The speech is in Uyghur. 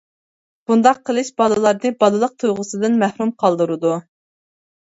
بۇنداق قىلىش بالىلارنى بالىلىق تۇيغۇسىدىن مەھرۇم قالدۇرىدۇ.